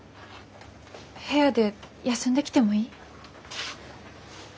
部屋で休んできてもいい？